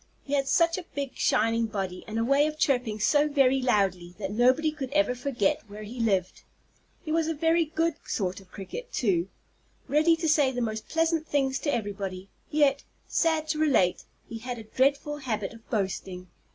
He had such a big, shining body, and a way of chirping so very loudly, that nobody could ever forget where he lived. He was a very good sort of Cricket, too, ready to say the most pleasant things to everybody, yet, sad to relate, he had a dreadful habit of boasting.